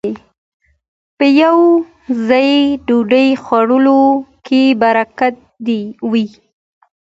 په يوه ځای ډوډۍ خوړلو کې برکت وي